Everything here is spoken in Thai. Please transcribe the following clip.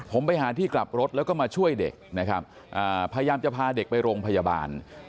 ผมไปหาที่กลับรถแล้วก็มาช่วยเด็กนะครับพยายามจะพาเด็กไปโรงพยาบาล